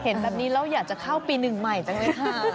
เห็นแบบนี้แล้วอยากจะเข้าปีหนึ่งใหม่จังเลยค่ะ